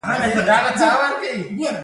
او کله پۀ هفته کښې یو ځل دوه ـ